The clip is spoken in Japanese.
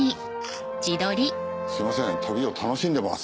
すいません旅を楽しんでます。